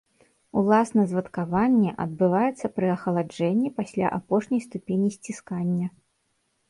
Уласна звадкаванне адбываецца пры ахаладжэнні пасля апошняй ступені сціскання.